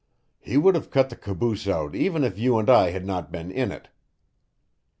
He would have cut the caboose out even if you and I had not been in it."